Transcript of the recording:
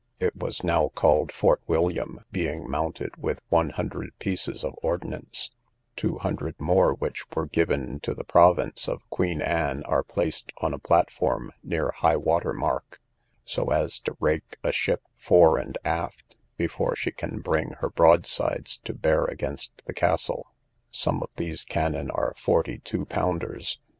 It was now called Fort William, being mounted with one hundred pieces of ordnance: two hundred more which were given to the province of Queen Anne, are placed on a platform near high water mark, so as to rake a ship fore and aft, before she can bring her broadsides to bear against the castle. Some of these cannon are forty two pounders.